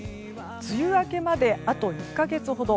梅雨明けまであと１か月ほど。